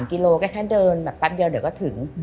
๒๓กิโลกรัมแค่เดินแป๊บเดียวเดี๋ยวก็ถึง